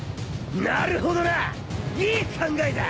なるほどないい考えだ。